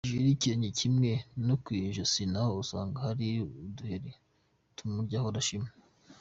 Hejuru y’ikirenge kimwe no ku ijosi naho usanga hari uduheri tumurya ahora ashima.